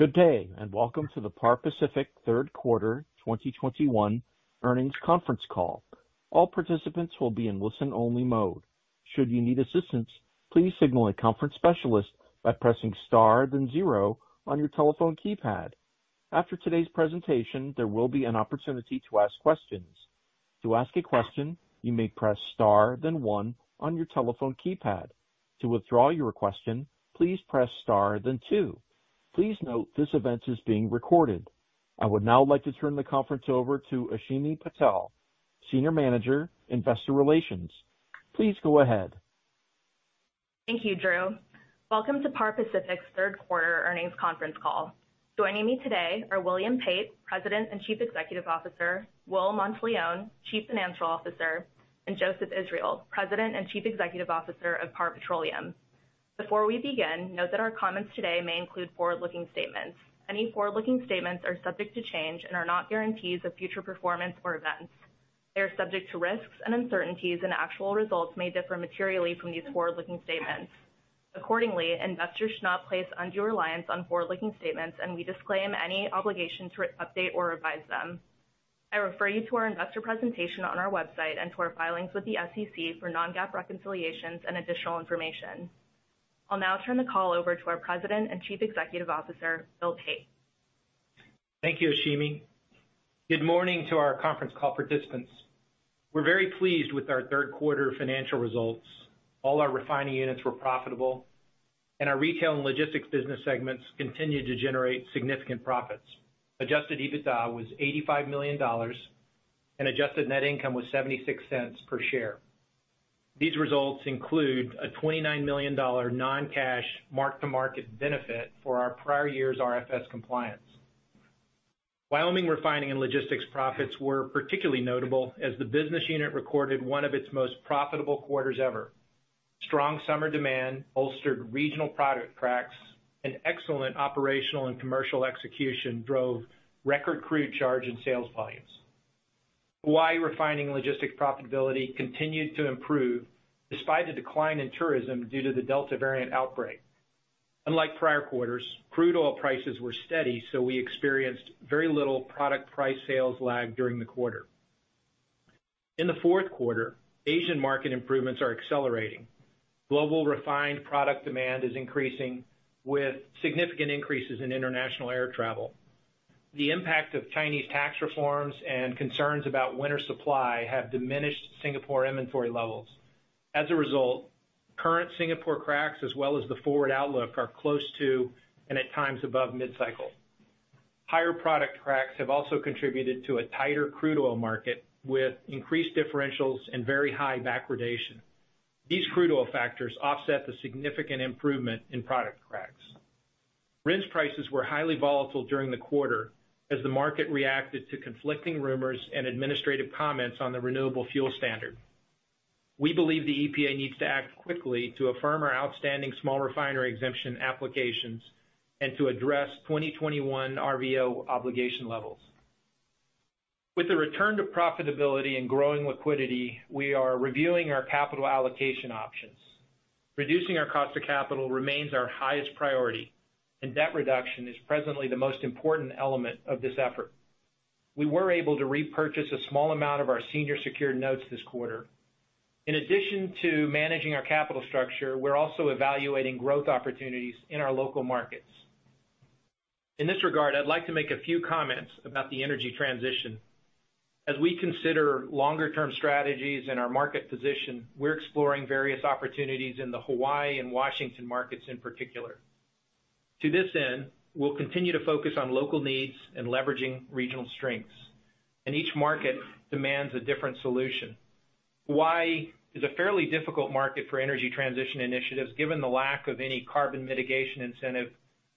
Good day, and welcome to the Par Pacific Third Quarter 2021 Earnings Conference Call. All participants will be in listen-only mode. Should you need assistance, please signal a conference specialist by pressing star then zero on your telephone keypad. After today's presentation, there will be an opportunity to ask questions. To ask a question, you may press star then one on your telephone keypad. To withdraw your question, please press star then two. Please note this event is being recorded. I would now like to turn the conference over to Ashimi Patel, Senior Manager, Investor Relations. Please go ahead. Thank you, Drew. Welcome to Par Pacific's third quarter earnings conference call. Joining me today are William Pate, President and Chief Executive Officer; Will Monteleone, Chief Financial Officer; and Joseph Israel, President and Chief Executive Officer of Par Petroleum. Before we begin, note that our comments today may include forward-looking statements. Any forward-looking statements are subject to change and are not guarantees of future performance or events. They are subject to risks and uncertainties, and actual results may differ materially from these forward-looking statements. Accordingly, investors should not place undue reliance on forward-looking statements, and we disclaim any obligation to update or revise them. I refer you to our investor presentation on our website and to our filings with the SEC for non-GAAP reconciliations and additional information. I'll now turn the call over to our President and Chief Executive Officer, Bill Pate. Thank you, Ashimi. Good morning to our conference call participants. We're very pleased with our third quarter financial results. All our refining units were profitable, and our retail and logistics business segments continue to generate significant profits. Adjusted EBITDA was $85 million, and adjusted net income was $0.76 per share. These results include a $29 million non-cash mark-to-market benefit for our prior year's RFS compliance. Wyoming Refining and Logistics' profits were particularly notable as the business unit recorded one of its most profitable quarters ever. Strong summer demand bolstered regional product cracks, and excellent operational and commercial execution drove record crude charge and sales volumes. Hawaii Refining and Logistics' profitability continued to improve despite a decline in tourism due to the Delta variant outbreak. Unlike prior quarters, crude oil prices were steady, so we experienced very little product price sales lag during the quarter. In the fourth quarter, Asian market improvements are accelerating. Global refined product demand is increasing, with significant increases in international air travel. The impact of Chinese tax reforms and concerns about winter supply have diminished Singapore inventory levels. As a result, current Singapore cracks, as well as the forward outlook, are close to and at times above mid-cycle. Higher product cracks have also contributed to a tighter crude oil market, with increased differentials and very high backwardation. These crude oil factors offset the significant improvement in product cracks. RINs prices were highly volatile during the quarter as the market reacted to conflicting rumors and administrative comments on the Renewable Fuel Standard. We believe the EPA needs to act quickly to affirm our outstanding small refinery exemption applications and to address 2021 RVO obligation levels. With a return to profitability and growing liquidity, we are reviewing our capital allocation options. Reducing our cost of capital remains our highest priority, and debt reduction is presently the most important element of this effort. We were able to repurchase a small amount of our senior secured notes this quarter. In addition to managing our capital structure, we're also evaluating growth opportunities in our local markets. In this regard, I'd like to make a few comments about the energy transition. As we consider longer-term strategies and our market position, we're exploring various opportunities in the Hawaii and Washington markets in particular. To this end, we'll continue to focus on local needs and leveraging regional strengths, and each market demands a different solution. Hawaii is a fairly difficult market for energy transition initiatives given the lack of any carbon mitigation incentive,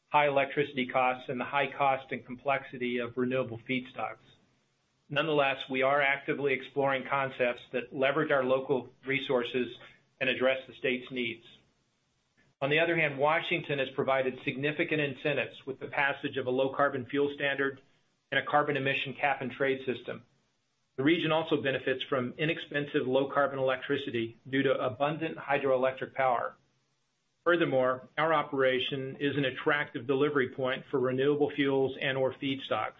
high electricity costs, and the high cost and complexity of renewable feedstocks. Nonetheless, we are actively exploring concepts that leverage our local resources and address the state's needs. On the other hand, Washington has provided significant incentives with the passage of a low-carbon fuel standard and a carbon emission cap and trade system. The region also benefits from inexpensive low-carbon electricity due to abundant hydroelectric power. Furthermore, our operation is an attractive delivery point for renewable fuels and/or feedstocks.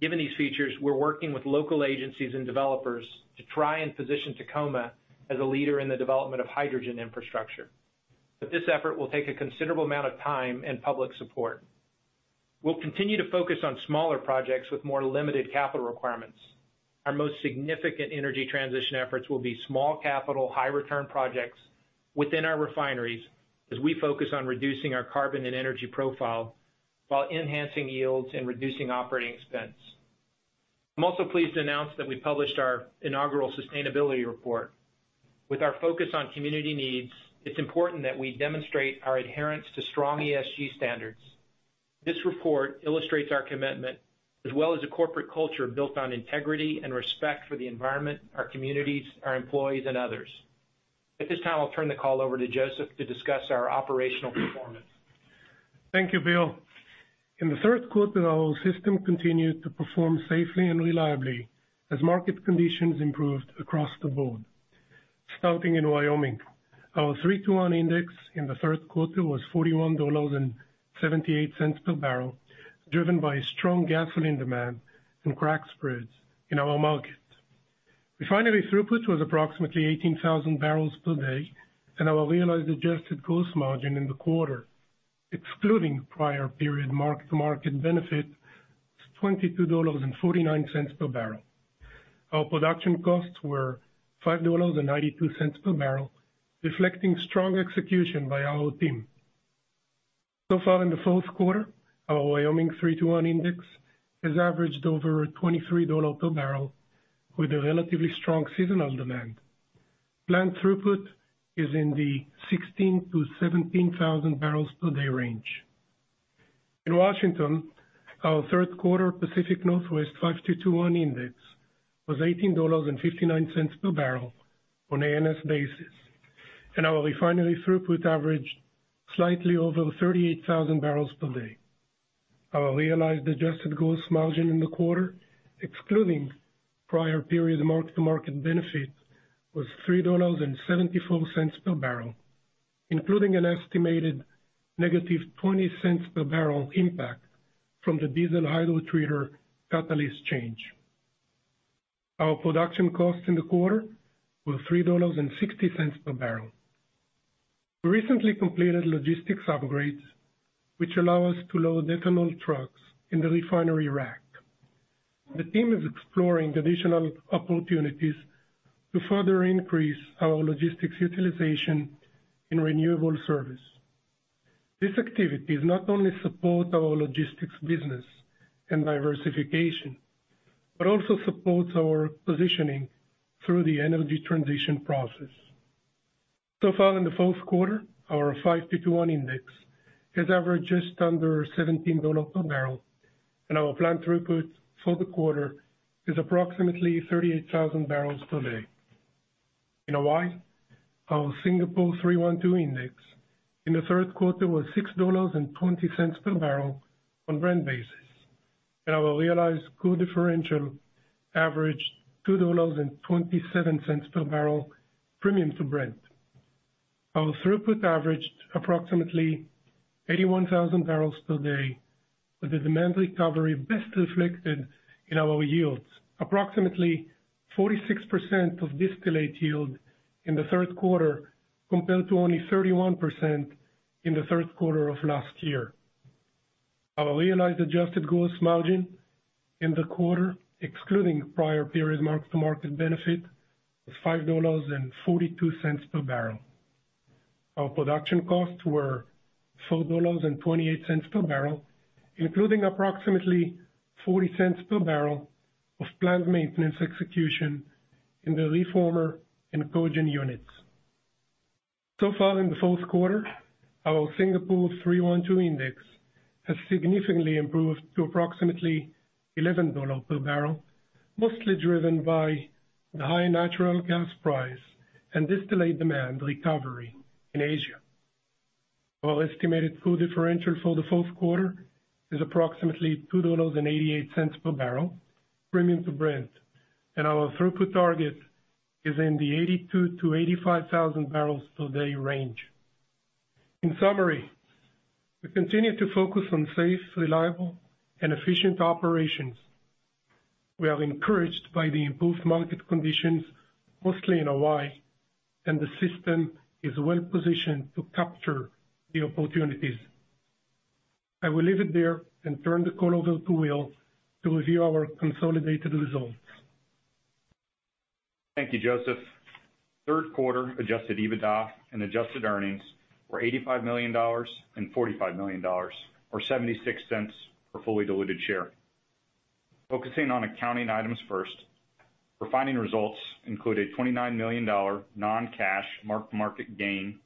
Given these features, we are working with local agencies and developers to try and position Tacoma as a leader in the development of hydrogen infrastructure. This effort will take a considerable amount of time and public support. We will continue to focus on smaller projects with more limited capital requirements. Our most significant energy transition efforts will be small-capital, high-return projects within our refineries as we focus on reducing our carbon and energy profile while enhancing yields and reducing operating expense. I'm also pleased to announce that we published our inaugural sustainability report. With our focus on community needs, it's important that we demonstrate our adherence to strong ESG standards. This report illustrates our commitment, as well as a corporate culture built on integrity and respect for the environment, our communities, our employees, and others. At this time, I'll turn the call over to Joseph to discuss our operational performance. Thank you, Bill. In the third quarter, our system continued to perform safely and reliably as market conditions improved across the board. Starting in Wyoming, our 3:1 index in the third quarter was $41.78/bbl, driven by strong gasoline demand and crack spreads in our market. Refinery throughput was approximately 18,000 bbl per day, and our realized adjusted gross margin in the quarter, excluding prior period mark-to-market benefit, was $22.49/bbl. Our production costs were $5.92/bbl, reflecting strong execution by our team. In the fourth quarter, our Wyoming 3:1 index has averaged over $23/bbl with a relatively strong seasonal demand. Planned throughput is in the 16,000-17,000 bbl per day range. In Washington, our third quarter Pacific Northwest 5:2:1 index was $18.59/bbl on an ANS basis, and our refinery throughput averaged slightly over 38,000 bbl per day. Our realized adjusted gross margin in the quarter, excluding prior period mark-to-market benefit, was $3.74/bbl, including an estimated negative $0.20/bbl impact from the diesel hydrotreater catalyst change. Our production costs in the quarter were $3.60/bbl. We recently completed logistics upgrades, which allow us to load ethanol trucks in the refinery rack. The team is exploring additional opportunities to further increase our logistics utilization in renewable service. This activity not only supports our logistics business and diversification but also supports our positioning through the energy transition process. In the fourth quarter, our 5:2:1 index has averaged just under $17/bbl, and our planned throughput for the quarter is approximately 38,000 bbl per day. In Hawaii, our Singapore 3:1:2 index in the third quarter was $6.20/bbl on Brent basis, and our realized crude differential averaged $2.27/bbl premium to Brent. Our throughput averaged approximately 81,000 bbl per day, with the demand recovery best reflected in our yields, approximately 46% of distillate yield in the third quarter compared to only 31% in the third quarter of last year. Our realized adjusted gross margin in the quarter, excluding prior period mark-to-market benefit, was $5.42/bbl. Our production costs were $4.28/bbl, including approximately $0.40/bbl of planned maintenance execution in the reformer and cogen units. In the fourth quarter, our Singapore 3:1:2 index has significantly improved to approximately $11/bbl, mostly driven by the high natural gas price and distillate demand recovery in Asia. Our estimated crude differential for the fourth quarter is approximately $2.88/bbl premium to Brent, and our throughput target is in the 82,000-85,000 bbl per day range. In summary, we continue to focus on safe, reliable, and efficient operations. We are encouraged by the improved market conditions, mostly in Hawaii, and the system is well-positioned to capture the opportunities. I will leave it there and turn the call over to Will to review our consolidated results. Thank you, Joseph. Third quarter adjusted EBITDA and adjusted earnings were $85 million and $45 million, or $0.76 per fully diluted share. Focusing on accounting items first, refining results include a $29 million non-cash mark-to-market gain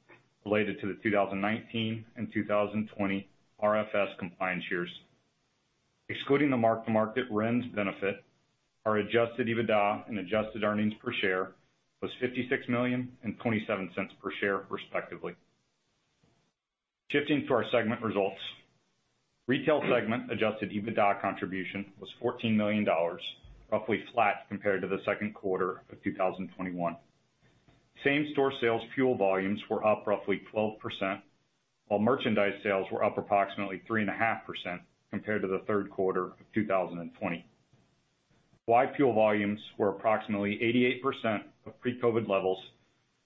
related to the 2019 and 2020 RFS compliance years. Excluding the mark-to-market RINs benefit, our adjusted EBITDA and adjusted earnings per share was $56 million and $0.27 per share, respectively. Shifting to our segment results, retail segment adjusted EBITDA contribution was $14 million, roughly flat compared to the second quarter of 2021. Same-store sales fuel volumes were up roughly 12%, while merchandise sales were up approximately 3.5% compared to the third quarter of 2020. Hawaii fuel volumes were approximately 88% of pre-COVID levels,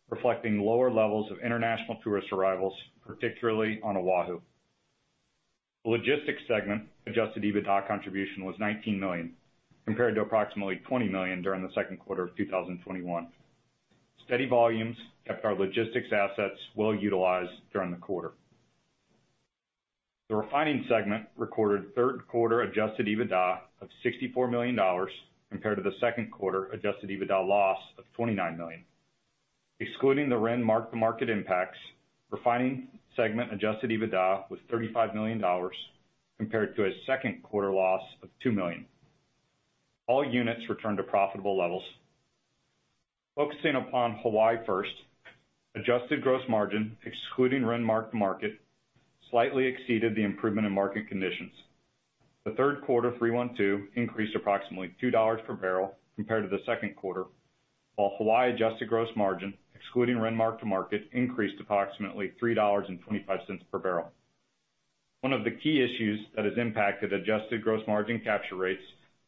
reflecting lower levels of international tourist arrivals, particularly on O'ahu. The logistics segment adjusted EBITDA contribution was $19 million compared to approximately $20 million during the second quarter of 2021. Steady volumes kept our logistics assets well-utilized during the quarter. The refining segment recorded third quarter adjusted EBITDA of $64 million compared to the second quarter adjusted EBITDA loss of $29 million. Excluding the RINs mark-to-market impacts, refining segment adjusted EBITDA was $35 million compared to a second quarter loss of $2 million. All units returned to profitable levels. Focusing upon Hawaii first, adjusted gross margin, excluding RINs mark-to-market, slightly exceeded the improvement in market conditions. The third quarter 3:1:2 increased approximately $2/bbl compared to the second quarter, while Hawaii adjusted gross margin, excluding RINs mark-to-market, increased approximately $3.25/bbl. One of the key issues that has impacted adjusted gross margin capture rates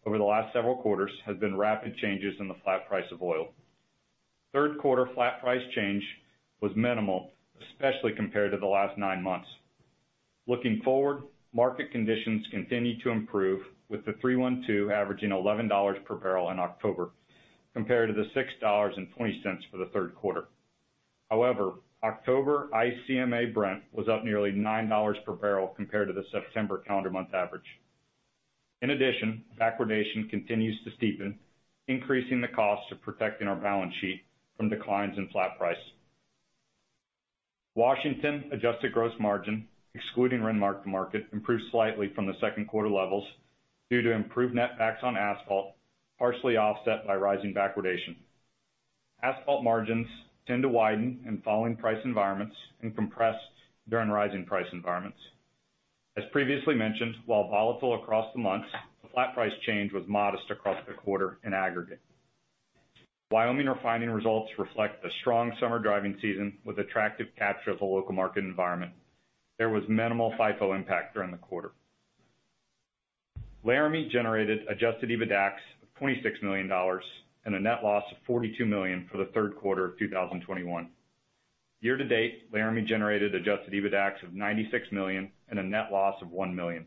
over the last several quarters has been rapid changes in the flat price of oil. Third quarter flat price change was minimal, especially compared to the last nine months. Looking forward, market conditions continue to improve, with the 3:1:2 averaging $11/bbl in October compared to the $6.20 for the third quarter. However, October ICMA Brent was up nearly $9/bbl compared to the September calendar month average. In addition, backwardation continues to steepen, increasing the cost of protecting our balance sheet from declines in flat price. Washington adjusted gross margin, excluding RINs mark-to-market, improved slightly from the second quarter levels due to improved net tax on asphalt, partially offset by rising backwardation. Asphalt margins tend to widen in falling price environments and compress during rising price environments. As previously mentioned, while volatile across the months, the flat price change was modest across the quarter in aggregate. Wyoming refining results reflect a strong summer driving season with attractive capture of the local market environment. There was minimal FIFO impact during the quarter. Laramie generated adjusted EBITDA of $26 million and a net loss of $42 million for the third quarter of 2021. Year to date, Laramie generated adjusted EBITDA of $96 million and a net loss of $1 million.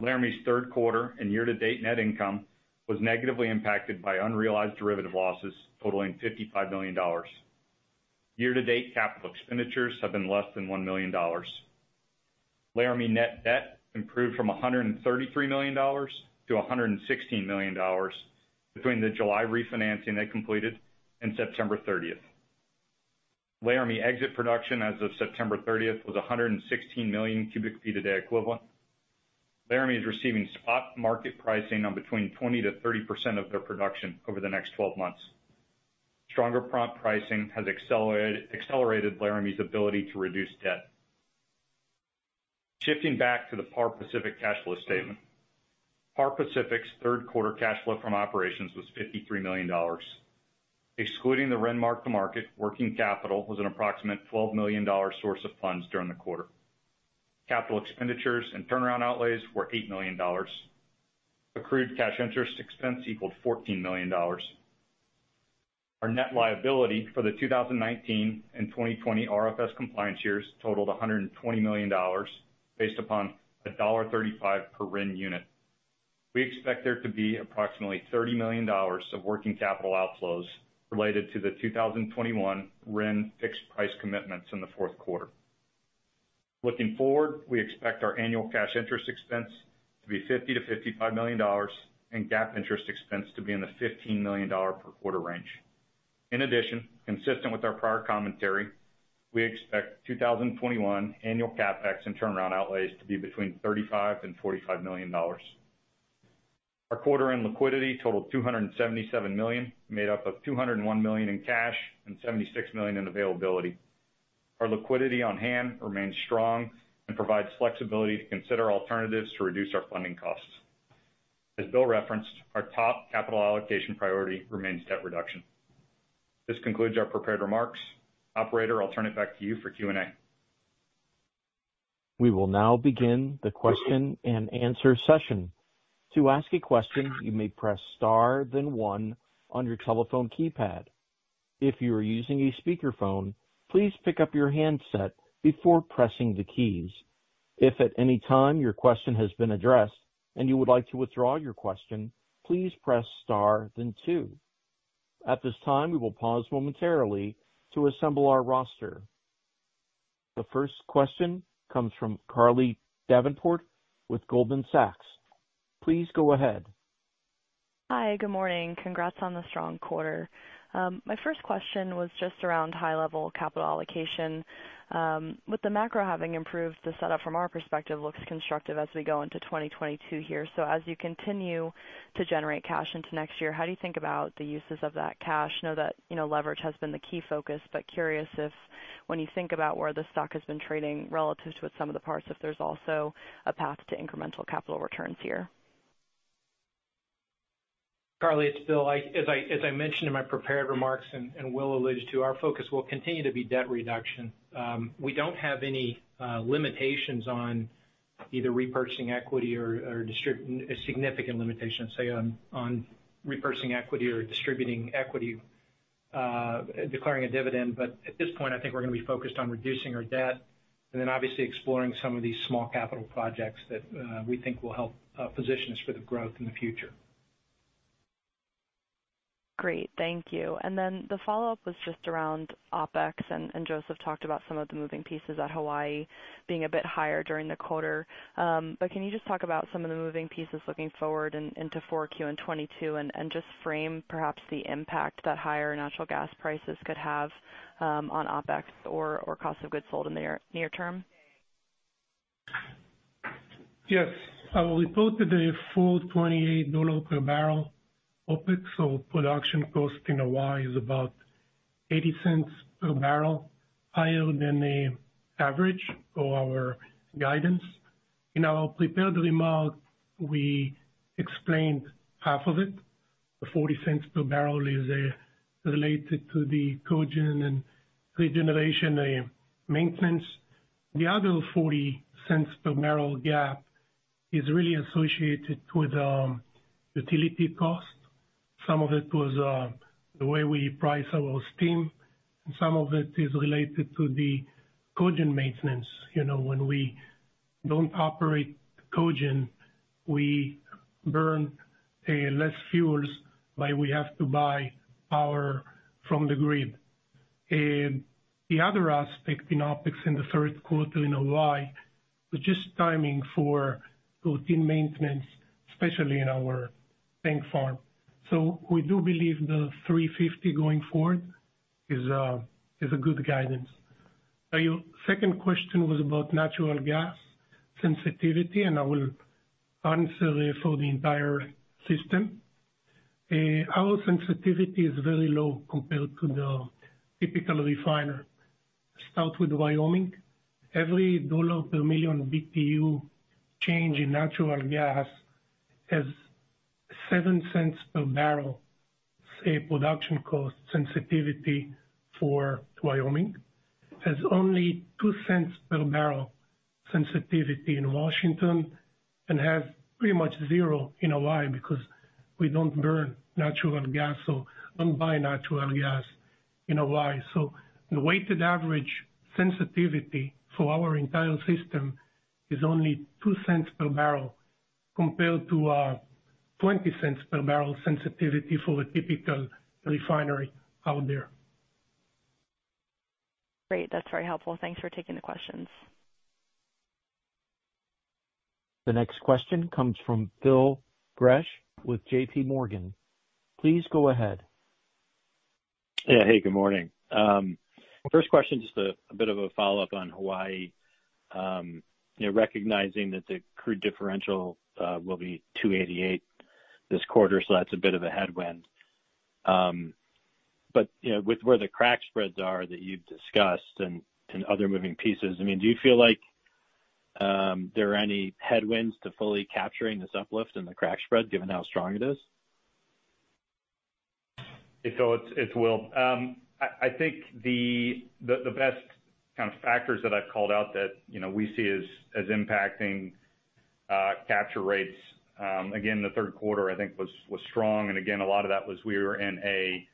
Laramie's third quarter and year to date net income was negatively impacted by unrealized derivative losses totaling $55 million. Year to date, capital expenditures have been less than $1 million. Laramie net debt improved from $133 million to $116 million between the July refinancing they completed and September 30th. Laramie exit production as of September 30th was 116 million cubic feet a day equivalent. Laramie is receiving spot market pricing on between 20%-30% of their production over the next 12 months. Stronger prompt pricing has accelerated Laramie's ability to reduce debt. Shifting back to the Par Pacific cash flow statement, Par Pacific's third quarter cash flow from operations was $53 million. Excluding the RINs mark-to-market, working capital was an approximate $12 million source of funds during the quarter. Capital expenditures and turnaround outlays were $8 million. Accrued cash interest expense equaled $14 million. Our net liability for the 2019 and 2020 RFS compliance years totaled $120 million based upon $1.35 per RINs unit. We expect there to be approximately $30 million of working capital outflows related to the 2021 RINs fixed price commitments in the fourth quarter. Looking forward, we expect our annual cash interest expense to be $50 million-$55 million and GAAP interest expense to be in the $15 million per quarter range. In addition, consistent with our prior commentary, we expect 2021 annual CapEx and turnaround outlays to be between $35 million-$45 million. Our quarter-end liquidity totaled $277 million, made up of $201 million in cash and $76 million in availability. Our liquidity on hand remains strong and provides flexibility to consider alternatives to reduce our funding costs. As Bill referenced, our top capital allocation priority remains debt reduction. This concludes our prepared remarks. Operator, I'll turn it back to you for Q&A. We will now begin the question and answer session. To ask a question, you may press star, then one on your telephone keypad. If you are using a speakerphone, please pick up your handset before pressing the keys. If at any time your question has been addressed and you would like to withdraw your question, please press star, then two. At this time, we will pause momentarily to assemble our roster. The first question comes from Carly Davenport with Goldman Sachs. Please go ahead. Hi, good morning. Congrats on the strong quarter. My first question was just around high-level capital allocation. With the macro having improved, the setup from our perspective looks constructive as we go into 2022 here. As you continue to generate cash into next year, how do you think about the uses of that cash? I know that leverage has been the key focus, but curious if when you think about where the stock has been trading relative to some of the parts, if there's also a path to incremental capital returns here. Carly, as I mentioned in my prepared remarks and Will alluded to, our focus will continue to be debt reduction. We do not have any limitations on either repurchasing equity or significant limitations, say, on repurchasing equity or distributing equity, declaring a dividend. At this point, I think we are going to be focused on reducing our debt and then obviously exploring some of these small capital projects that we think will help position us for the growth in the future. Great. Thank you. The follow-up was just around OpEx, and Joseph talked about some of the moving pieces at Hawaii being a bit higher during the quarter. Can you just talk about some of the moving pieces looking forward into 4Q and 2022 and just frame perhaps the impact that higher natural gas prices could have on OpEx or cost of goods sold in the near term? Yes. We quoted a full $28/bbl OpEx, so production cost in Hawaii is about $0.80/bbl, higher than the average for our guidance. In our prepared remark, we explained half of it. The $0.40/bbl is related to the cogen and regeneration maintenance. The other $0.40/bbl gap is really associated with utility cost. Some of it was the way we price our steam, and some of it is related to the cogen maintenance. When we do not operate cogen, we burn less fuel, but we have to buy power from the grid. The other aspect in OpEx in the third quarter in Hawaii was just timing for routine maintenance, especially in our tank farm. We do believe the $350 million going forward is a good guidance. Now, your second question was about natural gas sensitivity, and I will answer it for the entire system. Our sensitivity is very low compared to the typical refiner. Start with Wyoming. Every dollar per million BTU change in natural gas has $0.07/bbl production cost sensitivity for Wyoming. It has only $0.02/bbl sensitivity in Washington and has pretty much zero in Hawaii because we do not burn natural gas, so do not buy natural gas in Hawaii. The weighted average sensitivity for our entire system is only $0.02/bbl compared to a $0.20/bbl sensitivity for a typical refinery out there. Great. That's very helpful. Thanks for taking the questions. The next question comes from Phil Gresh with JP Morgan. Please go ahead. Yeah. Hey, good morning. First question, just a bit of a follow-up on Hawaii, recognizing that the crude differential will be $288 million this quarter, so that's a bit of a headwind. With where the crack spreads are that you've discussed and other moving pieces, I mean, do you feel like there are any headwinds to fully capturing this uplift in the crack spread given how strong it is? Hey, so it's Will. I think the best kind of factors that I've called out that we see as impacting capture rates, again, the third quarter, I think, was strong. Again, a lot of that was we were in a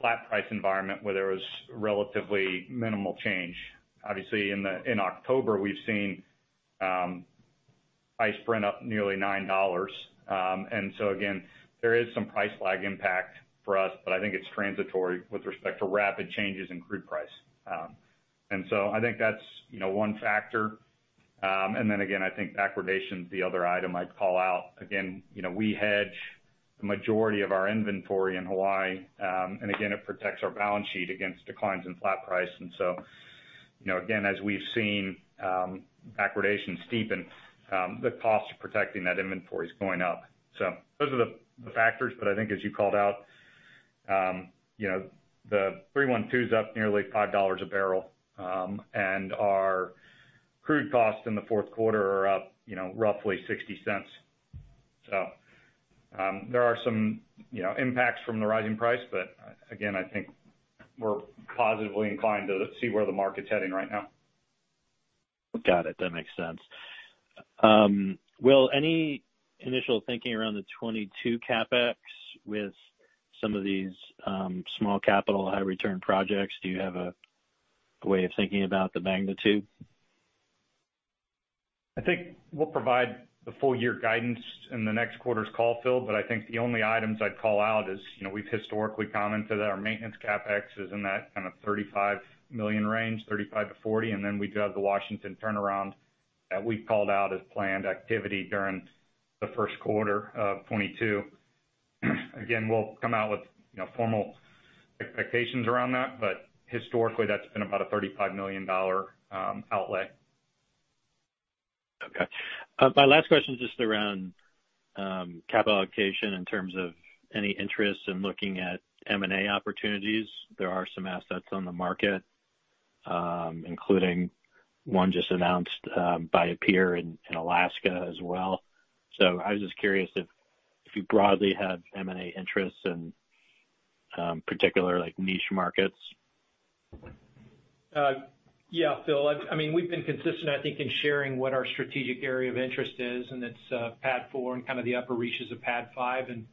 flat price environment where there was relatively minimal change. Obviously, in October, we've seen price print up nearly $9. Again, there is some price lag impact for us, but I think it's transitory with respect to rapid changes in crude price. I think that's one factor. Then again, I think backwardation is the other item I'd call out. We hedge the majority of our inventory in Hawaii, and it protects our balance sheet against declines in flat price. As we've seen backwardation steepen, the cost of protecting that inventory is going up. Those are the factors. I think, as you called out, the 3:1:2 is up nearly $5 a barrel, and our crude costs in the fourth quarter are up roughly $0.60. There are some impacts from the rising price, but again, I think we're positively inclined to see where the market's heading right now. Got it. That makes sense. Will, any initial thinking around the 2022 CapEx with some of these small capital high-return projects? Do you have a way of thinking about the magnitude? I think we'll provide the full year guidance in the next quarter's call, Phil, but I think the only items I'd call out is we've historically commented that our maintenance CapEx is in that kind of $35 million range, $35 million-$40 million, and then we do have the Washington turnaround that we've called out as planned activity during the first quarter of 2022. Again, we'll come out with formal expectations around that, but historically, that's been about a $35 million outlay. Okay. My last question is just around capital allocation in terms of any interest in looking at M&A opportunities. There are some assets on the market, including one just announced by a peer in Alaska as well. I was just curious if you broadly have M&A interests in particular niche markets. Yeah, Phil. I mean, we've been consistent, I think, in sharing what our strategic area of interest is, and it's PADD IV and kind of the upper reaches of PADD V.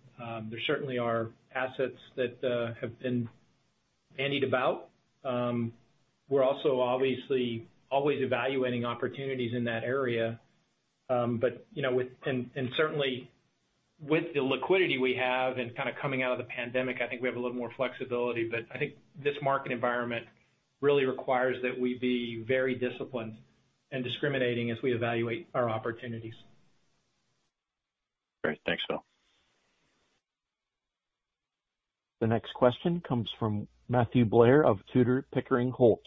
There certainly are assets that have been bandied about. We're also obviously always evaluating opportunities in that area. Certainly, with the liquidity we have and kind of coming out of the pandemic, I think we have a little more flexibility. I think this market environment really requires that we be very disciplined and discriminating as we evaluate our opportunities. Great. Thanks, Bill. The next question comes from Matthew Blair of Tudor Pickering Holt.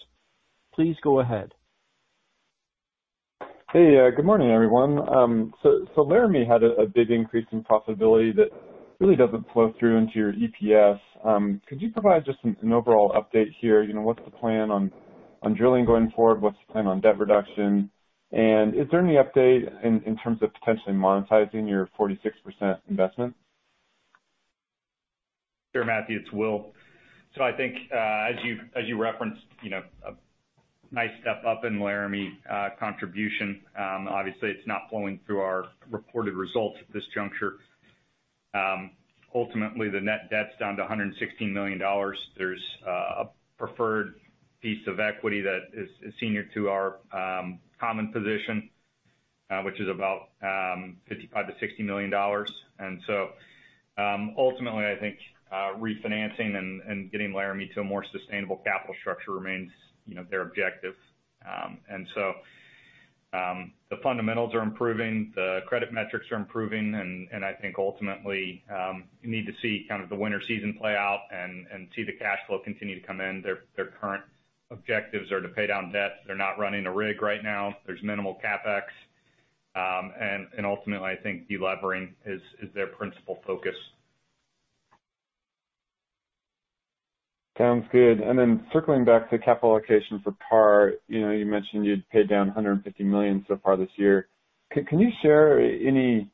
Please go ahead. Hey, good morning, everyone. Laramie had a big increase in profitability that really doesn't flow through into your EPS. Could you provide just an overall update here? What's the plan on drilling going forward? What's the plan on debt reduction? Is there any update in terms of potentially monetizing your 46% investment? Sure, Matthew. It's Will. I think as you referenced, a nice step up in Laramie contribution. Obviously, it's not flowing through our reported results at this juncture. Ultimately, the net debt's down to $116 million. There's a preferred piece of equity that is senior to our common position, which is about $55 million-$60 million. Ultimately, I think refinancing and getting Laramie to a more sustainable capital structure remains their objective. The fundamentals are improving. The credit metrics are improving. I think ultimately, you need to see kind of the winter season play out and see the cash flow continue to come in. Their current objectives are to pay down debt. They're not running a rig right now. There's minimal CapEx. Ultimately, I think delevering is their principal focus. Sounds good. Circling back to capital allocation for Par, you mentioned you'd pay down $150 million so far this year. Can you share any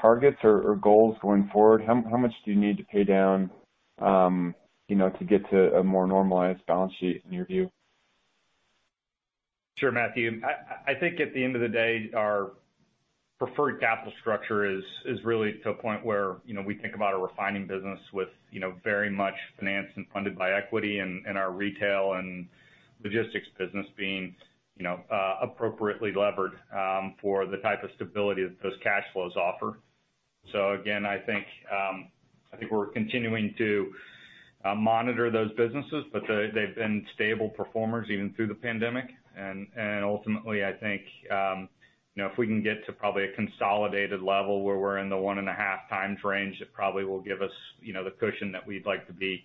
targets or goals going forward? How much do you need to pay down to get to a more normalized balance sheet in your view? Sure, Matthew. I think at the end of the day, our preferred capital structure is really to a point where we think about a refining business with very much financed and funded by equity and our retail and logistics business being appropriately levered for the type of stability that those cash flows offer. I think we're continuing to monitor those businesses, but they've been stable performers even through the pandemic. Ultimately, I think if we can get to probably a consolidated level where we're in the 1.5x range, it probably will give us the cushion that we'd like to be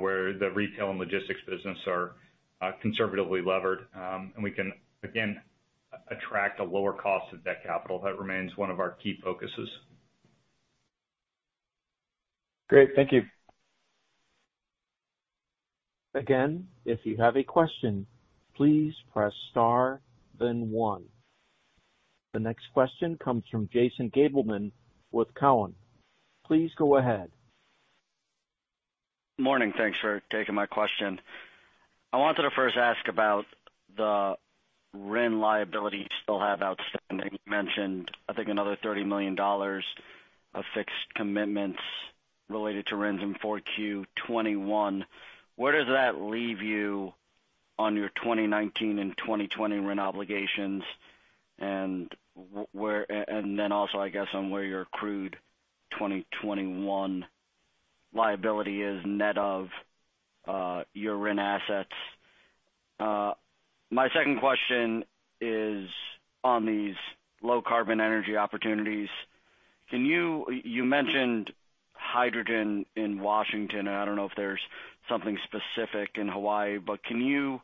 where the retail and logistics business are conservatively levered, and we can, again, attract a lower cost of that capital that remains one of our key focuses. Great. Thank you. Again, if you have a question, please press star, then one. The next question comes from Jason Gabelman with Cowen. Please go ahead. Good morning. Thanks for taking my question. I wanted to first ask about the RINs liability you still have outstanding. You mentioned, I think, another $30 million of fixed commitments related to RINs in Q4 2021. Where does that leave you on your 2019 and 2020 RINs obligations? Also, I guess, on where your crude 2021 liability is net of your RINs assets. My second question is on these low-carbon energy opportunities. You mentioned hydrogen in Washington, and I do not know if there is something specific in Hawaii, but can you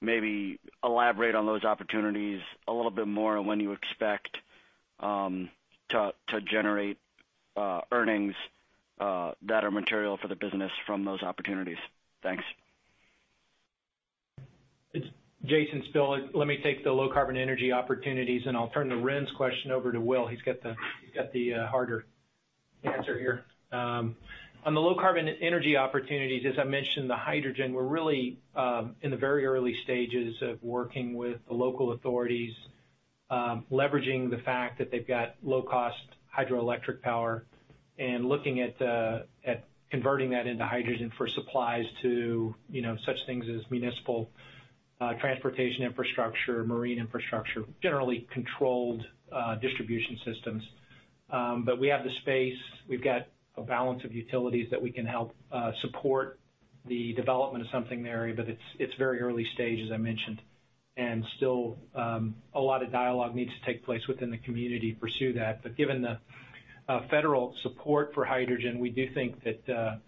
maybe elaborate on those opportunities a little bit more and when you expect to generate earnings that are material for the business from those opportunities? Thanks. Jason, It's Bill. Let me take the low-carbon energy opportunities, and I'll turn the RINs question over to Will. He's got the harder answer here. On the low-carbon energy opportunities, as I mentioned, the hydrogen, we're really in the very early stages of working with the local authorities, leveraging the fact that they've got low-cost hydroelectric power and looking at converting that into hydrogen for supplies to such things as municipal transportation infrastructure, marine infrastructure, generally controlled distribution systems. We have the space. We've got a balance of utilities that we can help support the development of something there. It is very early stage, as I mentioned, and still a lot of dialogue needs to take place within the community to pursue that. Given the federal support for hydrogen, we do think that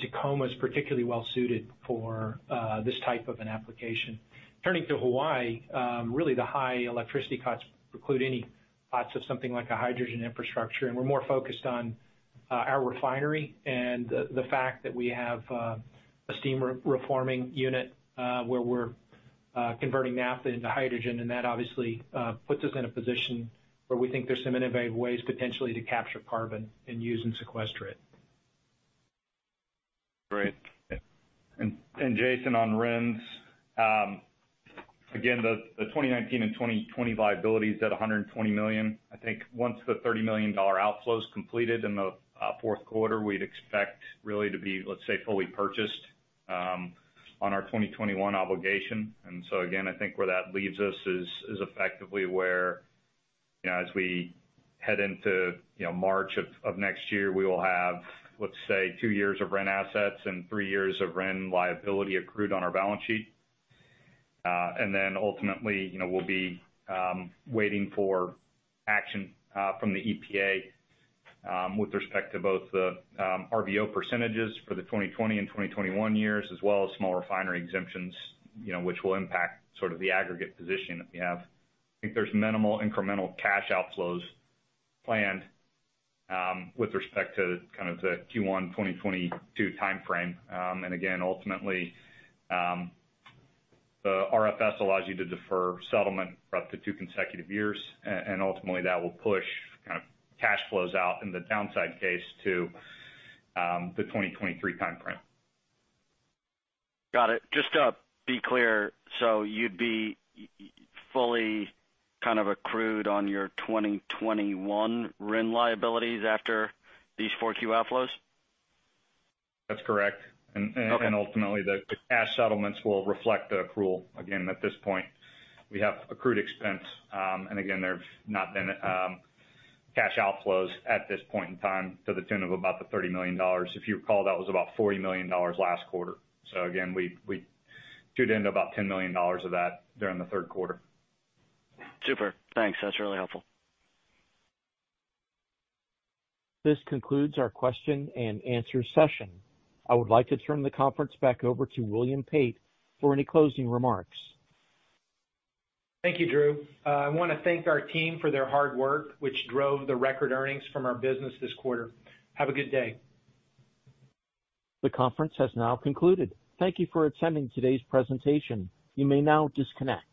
Tacoma is particularly well-suited for this type of an application. Turning to Hawaii, really, the high electricity costs preclude any costs of something like a hydrogen infrastructure. We are more focused on our refinery and the fact that we have a steam reforming unit where we are converting naphtha into hydrogen. That obviously puts us in a position where we think there are some innovative ways potentially to capture carbon and use and sequester it. Great. Jason, on RINs, again, the 2019 and 2020 liabilities at $120 million. I think once the $30 million outflow is completed in the fourth quarter, we'd expect really to be, let's say, fully purchased on our 2021 obligation. I think where that leaves us is effectively where as we head into March of next year, we will have, let's say, two years of RINs assets and three years of RINs liability accrued on our balance sheet. Ultimately, we'll be waiting for action from the EPA with respect to both the RVO percentages for the 2020 and 2021 years, as well as small refinery exemptions, which will impact sort of the aggregate position that we have. I think there's minimal incremental cash outflows planned with respect to kind of the Q1 2022 timeframe. Again, ultimately, the RFS allows you to defer settlement for up to two consecutive years. Ultimately, that will push kind of cash flows out in the downside case to the 2023 timeframe. Got it. Just to be clear, so you'd be fully kind of accrued on your 2021 RINs liabilities after these 4Q outflows? That's correct. Ultimately, the cash settlements will reflect the accrual. Again, at this point, we have accrued expense. Again, there have not been cash outflows at this point in time to the tune of about $30 million. If you recall, that was about $40 million last quarter. Again, we chewed into about $10 million of that during the third quarter. Super. Thanks. That's really helpful. This concludes our question and answer session. I would like to turn the conference back over to William Pate for any closing remarks. Thank you, Drew. I want to thank our team for their hard work, which drove the record earnings from our business this quarter. Have a good day. The conference has now concluded. Thank you for attending today's presentation. You may now disconnect.